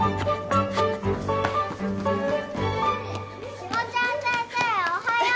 志保ちゃん先生おはよう！